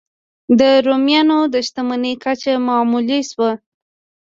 د رومیانو د شتمنۍ کچه معلومولای شو.